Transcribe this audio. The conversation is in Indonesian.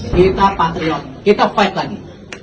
kita patriot kita fight lagi